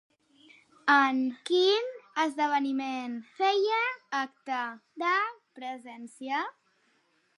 En quin esdeveniment feia acte de presència?